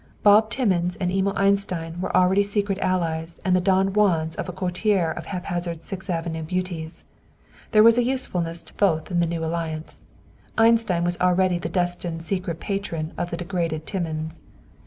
Bob Timmins and Emil Einstein were already secret allies and the Don Juans of a coterie of haphazard Sixth Avenue beauties. There was a usefulness to both in the new alliance, and Einstein was already the destined secret patron of the degraded Timmins.